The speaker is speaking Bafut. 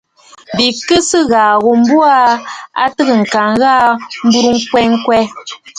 Bɨ kɨ̀ sɨ ghàà ghu mbo a təə kaa waʼà yi burə ŋkwɛ kwɛʼɛ.